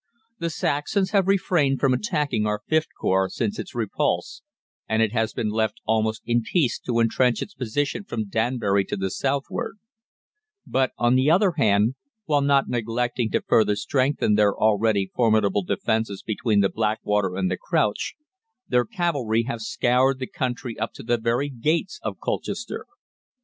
"The Saxons have refrained from attacking our Vth Corps since its repulse, and it has been left almost in peace to entrench its position from Danbury to the southward; but, on the other hand, while not neglecting to further strengthen their already formidable defences between the Blackwater and the Crouch, their cavalry have scoured the country up to the very gates of Colchester.